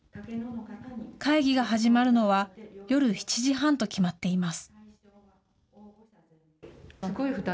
会議が始まるのは夜７時半と決まっています。